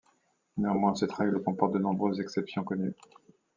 Néanmoins, cette règle comporte de nombreuses exceptions connues.